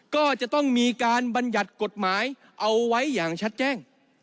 ก็จะต้องมีการบรรยัติกฎหมายเอาไว้อย่างชัดแจ้ง